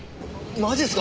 マジっすか？